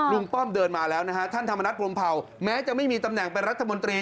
ป้อมเดินมาแล้วนะฮะท่านธรรมนัฐพรมเผาแม้จะไม่มีตำแหน่งเป็นรัฐมนตรี